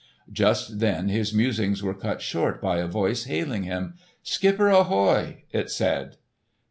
Just then his musings were cut short by a voice hailing him. "Skipper, ahoy!" it said.